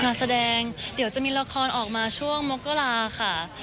งานแสดงเดี๋ยวจะมีละครออกมาช่วงมกราค่ะ